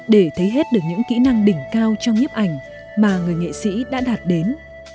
để thấy hết được những kỹ năng đỉnh cao trong nhếp ảnh mà người nghệ sĩ đã đạt đến